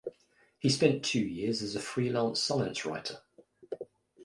He spent two years as a freelance science writer.